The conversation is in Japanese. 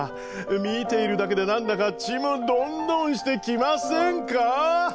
見ているだけで何だかちむどんどんしてきませんか？